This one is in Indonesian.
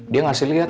dia ngasih liat